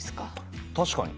確かに。